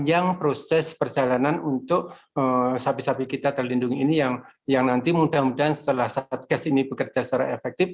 dan ini adalah proses perjalanan untuk sapi sapi kita terlindungi ini yang nanti mudah mudahan setelah saat gas ini bekerja secara efektif